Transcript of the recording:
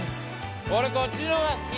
俺こっちの方が好き。